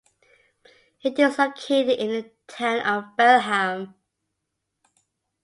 It is located in the town of Pelham.